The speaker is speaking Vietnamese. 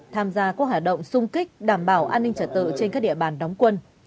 tham gia các hoạt động sung kích đảm bảo an ninh trật tự trên các địa bàn đóng quân